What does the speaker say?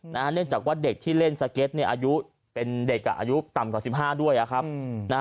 เนื่องจากว่าเด็กที่เล่นสเก็ตอายุเป็นเด็กอายุต่ำกว่า๑๕ด้วยนะครับ